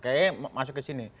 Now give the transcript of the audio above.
kayaknya masuk ke sini